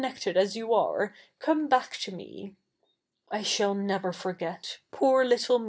iected as you are, come back to fne !'/ shall never forget — poor little